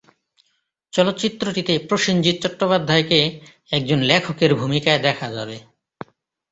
চলচ্চিত্রটিতে প্রসেনজিৎ চট্টোপাধ্যায়কে একজন লেখকের ভূমিকায় দেখা যাবে।